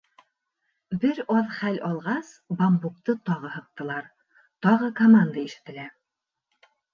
Бер аҙ хәл алғас, бамбукты тағы һыҡтылар, тағы команда ишетелә: